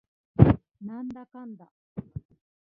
なんだかんだ